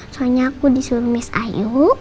soalnya aku disuruh miss ayu